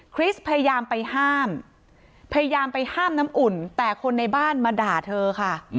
คริสพยายามไปห้ามพยายามไปห้ามน้ำอุ่นแต่คนในบ้านมาด่าเธอค่ะ